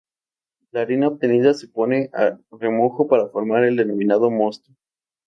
La harina obtenida se pone a remojo para formar el denominado "mosto".